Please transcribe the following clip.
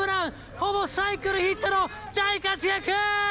ほぼサイクルヒットの大活躍！